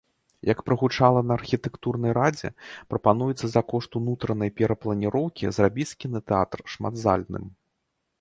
Як прагучала на архітэктурнай радзе, прапануецца за кошт унутранай перапланіроўкі зрабіць кінатэатр шматзальным.